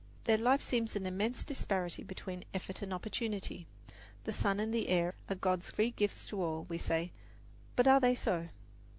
Their life seems an immense disparity between effort and opportunity. The sun and the air are God's free gifts to all we say, but are they so?